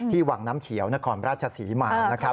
ที่หวังน้ำเขียวนครราชสีหมานะครับ